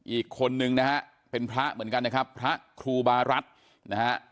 อีกคนนึงนะฮะเป็นพระเหมือนกันนะครับพระครูบารัฐนะฮะ